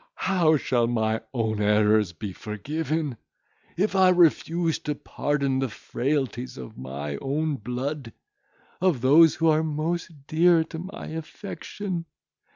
How shall my own errors be forgiven, if I refused to pardon the frailties of my own blood—of those who are most dear to my affection?